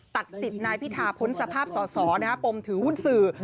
ตัดสิทธิ์นายพิธาพลสภาพส่อนะครับปมถือวุฒิสื่อ